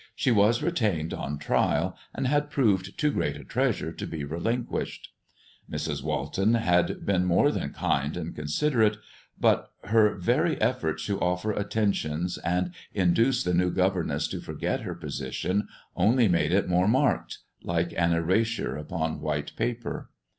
She was retained on trial, and had proved too great a treasure to be relinquished. Mrs. Walton had been more than kind and considerate, but her very effort to offer attentions and induce the new governess to forget her position only made it more marked, like an erasure upon white paper.